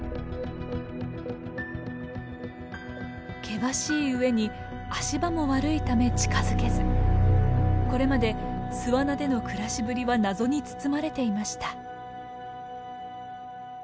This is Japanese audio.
険しいうえに足場も悪いため近づけずこれまで巣穴での暮らしぶりは謎に包まれていました。